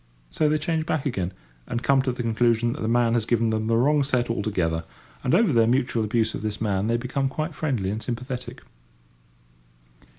So they change back again, and come to the conclusion that the man has given them the wrong set altogether; and over their mutual abuse of this man they become quite friendly and sympathetic.